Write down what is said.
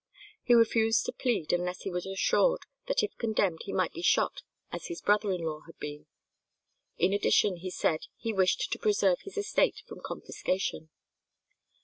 He refused to plead unless he was assured that if condemned he might be shot as his brother in law had been. In addition he said that he wished to preserve his estate from confiscation.